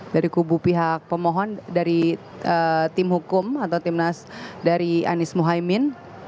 dari kubu pihak pemohon dari tim hukum atau timnas dari anies muhaymin